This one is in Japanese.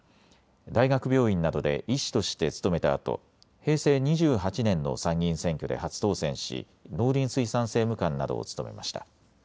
大学病院などで医師として勤めたあと平成２８年の参議院選挙で初当選し農林水産政務官などを務めました。